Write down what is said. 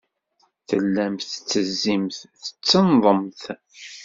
Tellamt tettezzimt, tettenḍemt.